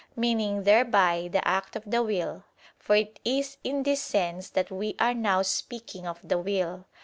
], meaning thereby the act of the will; for it is in this sense that we are now speaking of the will.